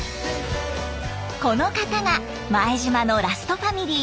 この方が前島のラストファミリー